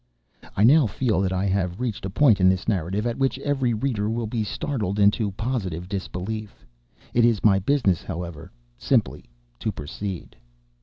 I now feel that I have reached a point of this narrative at which every reader will be startled into positive disbelief. It is my business, however, simply to proceed.